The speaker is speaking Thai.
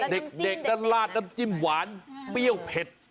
เด็กนั้นลาดน้ำจิ้มหวานเปรี้ยวเผ็ด